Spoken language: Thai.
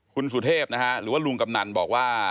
คุณสุเทพนะฮะหรือว่าลุงกำนันบอกว่า